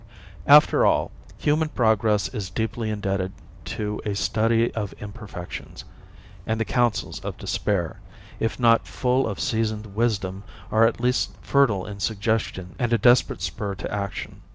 After all, human progress is deeply indebted to a study of imperfections, and the counsels of despair, if not full of seasoned wisdom, are at least fertile in suggestion and a desperate spur to action.